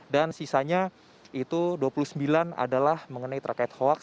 dan sisanya itu dua puluh sembilan adalah mengenai terkait hoaks